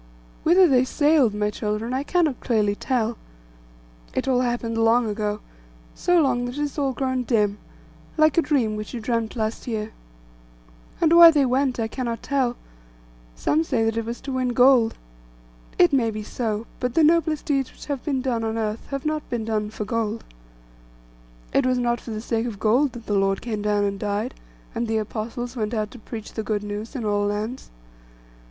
Whither they sailed, my children, I cannot clearly tell. It all happened long ago; so long that it has all grown dim, like a dream which you dreamt last year. And why they went I cannot tell: some say that it was to win gold. It may be so; but the noblest deeds which have been done on earth have not been done for gold. It was not for the sake of gold that the Lord came down and died, and the Apostles went out to preach the good news in all lands.